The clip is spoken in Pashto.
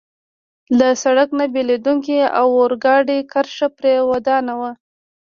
له سړک نه بېلېدونکې د اورګاډي کرښه پرې ودانوه.